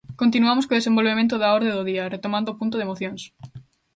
Continuamos co desenvolvemento da orde do día, retomando o punto de mocións.